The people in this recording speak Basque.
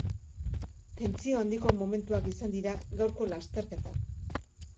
Tentsio handiko momentuak izan dira gaurko lasterketan.